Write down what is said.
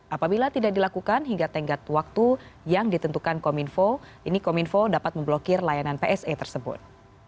apabila tidak dilakukan hingga tenggat waktu yang ditentukan kominfo ini kominfo dapat memblokir layanan pse tersebut